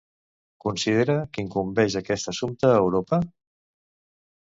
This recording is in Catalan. Considera que incumbeix aquest assumpte a Europa?